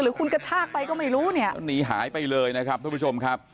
คุณกระชากไปก็ไม่รู้เนี่ยหนีหายไปเลยนะครับทุกผู้ชมครับ